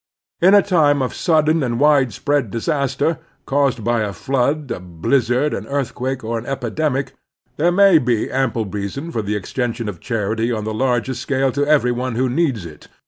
In a time of sudden and widespread disaster, caused by a flood, a blizzard, an earthquake, or an epidemic, there may be ample reason for the extension of charity on the largest scale to every one who needs it.